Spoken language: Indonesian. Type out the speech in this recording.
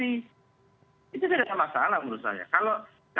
itu tidak masalah menurut saya